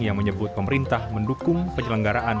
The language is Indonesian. yang menyebut pemerintah mendukung penyelenggaraan